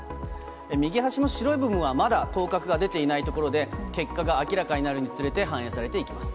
右端の白い部分は、まだ当確が出ていないところで、結果が明らかになるにつれて反映されていきます。